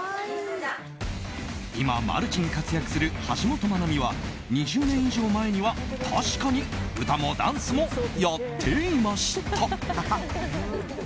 今マルチに活躍する橋本マナミは２０年以上前には確かに歌もダンスもやっていました。